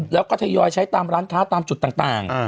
แล้วก็ทยอยใช้ตามร้านค้าตามจุดต่าง